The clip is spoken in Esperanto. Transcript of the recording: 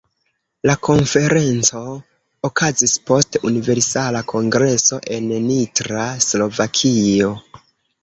La Konferenco okazis post Universala Kongreso en Nitra, Slovakio.